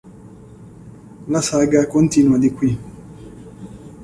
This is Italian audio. La saga continua di qui.